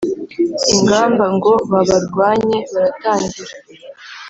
Ingamba ngo babarwanye biratangira